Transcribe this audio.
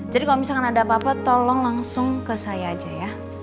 jadi kalau misalkan ada apa apa tolong langsung ke saya aja ya